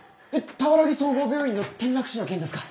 俵木総合病院の転落死の件ですか？